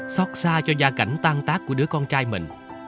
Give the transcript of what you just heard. xót xa cho gia cảnh tan tác của đứa con trai mình